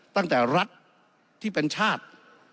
ตั้งแต่รัฐที่เป็นชาติ